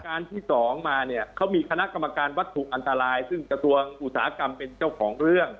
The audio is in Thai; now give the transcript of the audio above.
ที่สองมาเนี่ยเขามีคณะกรรมการวัตถุอันตรายซึ่งกระทรวงอุตสาหกรรมเป็นเจ้าของเรื่อง